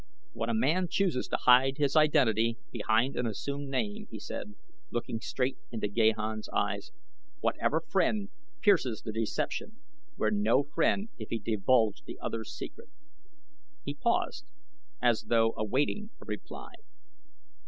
"When a man chooses to hide his identity behind an assumed name," he said, looking straight into Gahan's eyes, "whatever friend pierces the deception were no friend if he divulged the other's secret." He paused as though awaiting a reply.